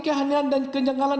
kehanian dan kenyangalan